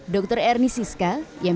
dr ernie siska yang biasa diperhatikan